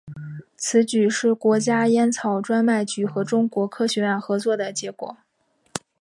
此举是国家烟草专卖局和中国科学院合作的结果。